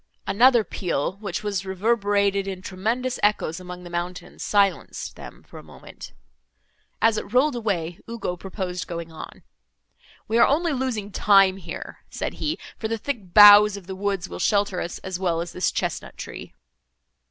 Another peal, which was reverberated in tremendous echoes among the mountains, silenced them for a moment. As it rolled away, Ugo proposed going on. "We are only losing time here," said he, "for the thick boughs of the woods will shelter us as well as this chesnut tree."